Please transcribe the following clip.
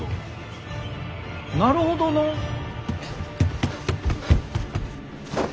なるほどのう。